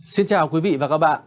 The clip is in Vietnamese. xin chào quý vị và các bạn